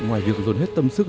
ngoài việc dồn hết tâm sức